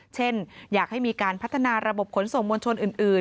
เช่นอยากให้มีการพัฒนาระบบขนส่งมวลชนอื่น